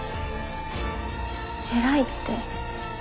偉いって。